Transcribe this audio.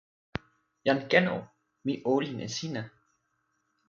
jan Ken o, mi olin e sina.